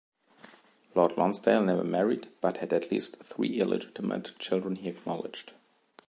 Lord Lonsdale never married, but had at least three illegitimate children he acknowledged.